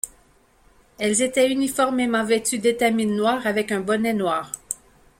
Elles étaient uniformément vêtues d'étamine noire, avec un bonnet noir.